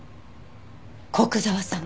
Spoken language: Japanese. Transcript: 古久沢さん。